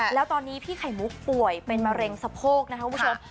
แล้วตอนนี้พี่ไข่มุกป่วยเป็นมะเร็งสะโพกนะครับคุณผู้ชม